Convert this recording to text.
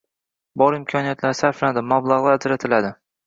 – bor imkoniyatlar sarflanadi, mablag‘lar ajratiladi